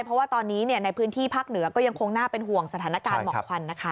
เพราะว่าตอนนี้ในพื้นที่ภาคเหนือก็ยังคงน่าเป็นห่วงสถานการณ์หมอกควันนะคะ